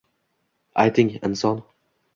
Ayting, inson —